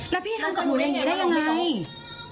แล้วพี่ทำกับหนูอย่างนี้ได้ยังไงลูก